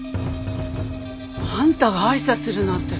あんたが挨拶するなんて。